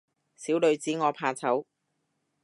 小女子我怕醜